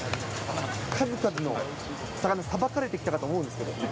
数々の魚さばかれてきたかと思うんですけど。